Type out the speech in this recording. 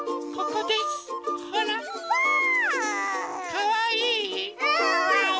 かわいい！